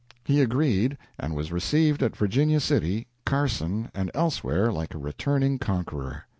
He agreed, and was received at Virginia City, Carson, and elsewhere like a returning conqueror.